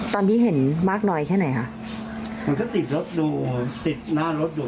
ตอนนี้เห็นมากน้อยแค่ไหนคะมันก็ติดรถดูติดหน้ารถอยู่